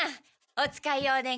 お使いをお願い。